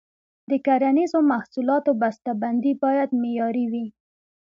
د کرنیزو محصولاتو بسته بندي باید معیاري وي.